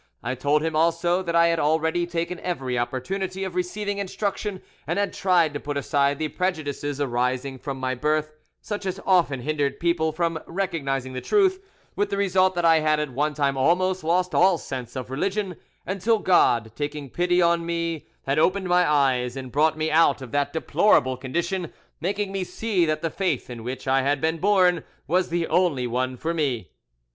I told him also that I had already taken every opportunity of receiving instruction, and had tried to put aside the prejudices arising from my birth, such as often hindered people from recognising the truth, with the result that I had at one time almost lost all sense of religion, until God, taking pity on me, had opened my eyes and brought me out of that deplorable condition, making me see that the faith in which I had been born was the only one for me.